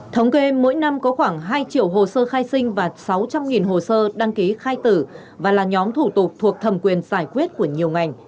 thống kê mỗi năm có khoảng hai triệu hồ sơ khai sinh và sáu trăm linh hồ sơ đăng ký khai tử và là nhóm thủ tục thuộc thẩm quyền giải quyết của nhiều ngành